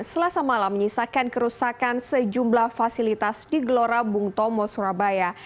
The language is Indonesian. selasa malam menyisakan kerusakan sejumlah fasilitas di gelora bung tomo surabaya